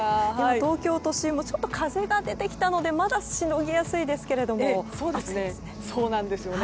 東京都心もちょっと風が出てきたのでまだしのぎやすいですけど暑いですね。